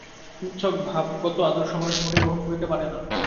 নিছক ভাবগত আদর্শ মানুষ মোটেই গ্রহণ করিতে পারে না।